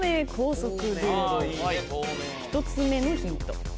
１つ目のヒント。